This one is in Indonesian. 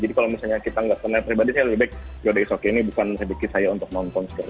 jadi kalau misalnya kita nggak pernah pribadi saya lebih baik jodoh isok ini bukan rezeki saya untuk nonton